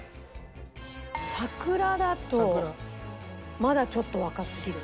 『さくら』だとまだちょっと若すぎる。